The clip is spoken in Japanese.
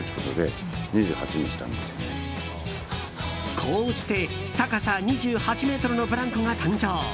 こうして高さ２８ｍのブランコが誕生。